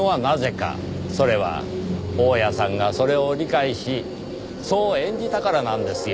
それは大屋さんがそれを理解しそう演じたからなんですよ。